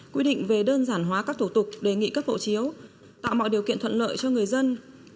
quy định về đơn giản hóa các thủ tục đề nghị cấp hộ chiếu tạo mọi điều kiện thuận lợi cho người dân